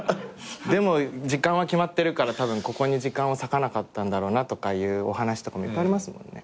でも時間は決まってるからたぶんここに時間を割かなかったんだろうなとかいうお話とかもいっぱいありますもんね。